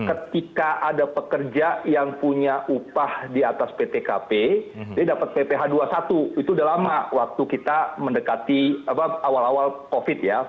ketika ada pekerja yang punya upah di atas ptkp dia dapat pph dua puluh satu itu udah lama waktu kita mendekati awal awal covid ya